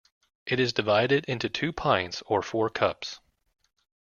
It is divided into two pints or four cups.